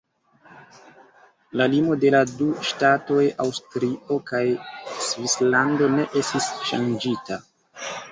La limo de la du ŝtatoj Aŭstrio kaj Svislando ne estis ŝanĝita.